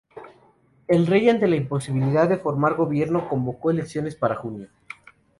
El rey ante la imposibilidad de formar gobierno convocó elecciones para junio.